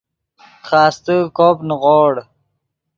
خاستے کوپ نیغوڑ